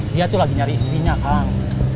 dia tuh lagi nyari istrinya kang